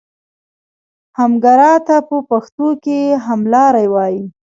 همګرا ته په پښتو کې هملاری وایي.